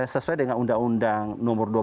sesuai dengan undang undang nomor dua belas